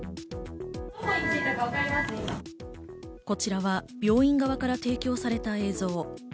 こちらは病院側から提供された映像。